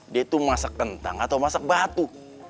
dia itu masak kentang atau masak batu